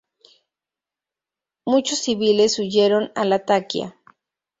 Muchos civiles huyeron a Latakia.